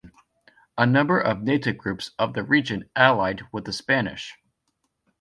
A number of native groups of the region allied with the Spanish.